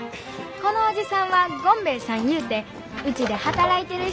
このおじさんはゴンベエさんいうてウチで働いてる人や。